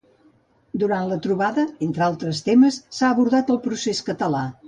Durant la trobada, entre altres temes, s’ha abordat el procés català.